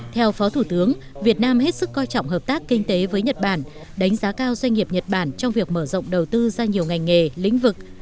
theo phó thủ tướng việt nam hết sức coi trọng hợp tác kinh tế với nhật bản đánh giá cao doanh nghiệp nhật bản trong việc mở rộng đầu tư ra nhiều ngành nghề lĩnh vực